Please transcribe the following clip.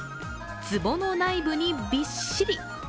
つぼの内部にびっしり。